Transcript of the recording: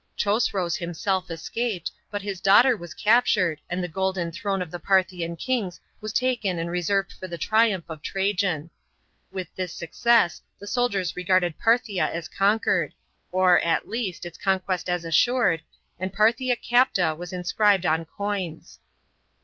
Chosroes himself escaped, but his daughter was captured, and the golden throne of the Parthian kings was taken and reserved for the triumph of Trajan. With this success the soldiers regarded Parthia as conquered, or, at least, its conquest as assured, and Parthia capta was inscribed on coins.